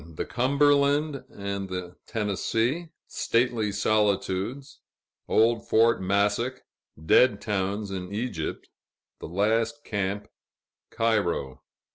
The Cumberland and the Tennessee Stately Solitudes Old Fort Massac Dead towns in Egypt The last camp Cairo.